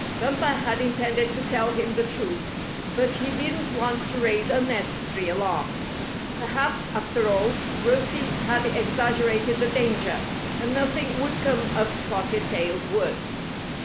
Bumper had intended to tell him the truth, but he didn't want to raise unnecessary alarm. Perhaps, after all. Rusty had exaggerated the danger, and nothing would come of Spotted Tail's work.